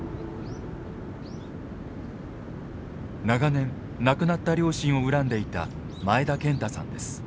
長年亡くなった両親を恨んでいた前田健太さんです。